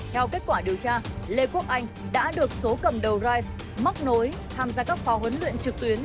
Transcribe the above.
theo kết quả điều tra lê quốc anh đã được số cầm đầu rise móc nối tham gia các phò huấn luyện trực tuyến